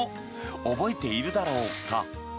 覚えているだろうか。